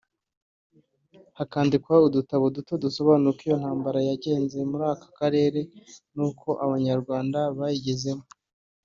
Hakandikwa udutabo duto dusobanura uko iyo ntambara yagenze muri aka karere n’uko Abanyarwanda bayigezemo